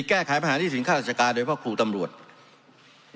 แก้ไขปัญหานี่สินค่าราชการโดยเพราะครูตำรวจ